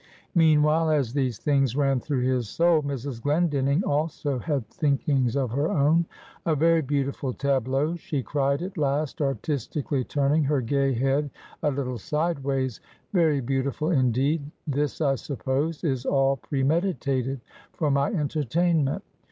Meanwhile, as these things ran through his soul, Mrs. Glendinning also had thinkings of her own. "A very beautiful tableau," she cried, at last, artistically turning her gay head a little sideways "very beautiful, indeed; this, I suppose is all premeditated for my entertainment.